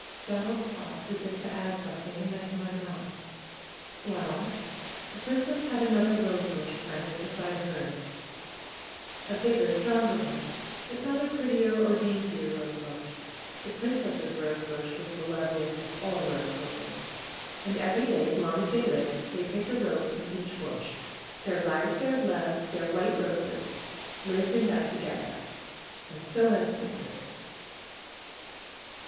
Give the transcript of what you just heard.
Donald paused as if to add something; and then he went on : ^^Well, the princess had another rosebush planted be side hers; a bigger, stronger one; but not a prettier or daintier rosebush. The princess' rosebush was the loveliest of all rosebushes. And every day, as long as they lived, they picked a rose from each bush. Their lives, their love, their white roses, lived and died to gether. And so ends the story."